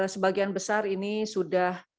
sebagian besar ini sudah